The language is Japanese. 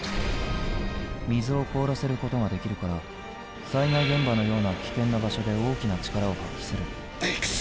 水を凍らせることができるから災害現場のような危険な場所で大きな力を発揮するくそ！